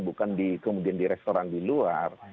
bukan kemudian di restoran di luar